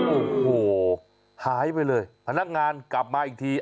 โอ้โหหายไปเลยพนักงานกลับมาอีกที